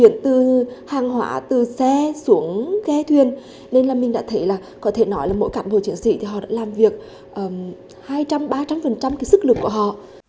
mà từ xe xuống ghe thuyền nên là mình đã thấy là có thể nói là mỗi cảng hồ chiến sĩ thì họ đã làm việc hai trăm linh ba trăm linh cái sức lực của họ